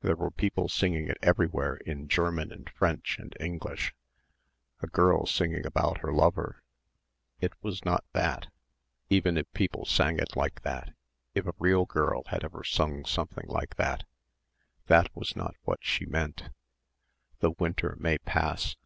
There were people singing it everywhere in German and French and English a girl singing about her lover.... It was not that; even if people sang it like that, if a real girl had ever sung something like that, that was not what she meant ... "the winter may pass"